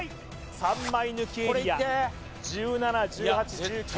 ３枚抜きエリア１７１８１９